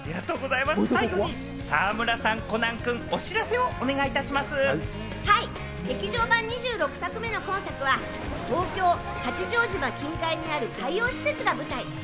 最後に沢村さん、コナン君、劇場版２６作目の今作は東京・八丈島近海にある海洋施設が舞台。